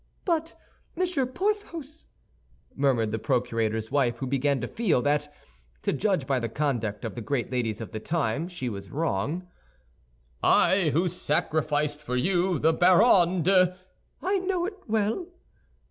"But, Monsieur Porthos," murmured the procurator's wife, who began to feel that, to judge by the conduct of the great ladies of the time, she was wrong. "I, who had sacrificed for you the Baronne de—" "I know it well."